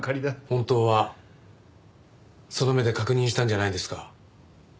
本当はその目で確認したんじゃないんですか？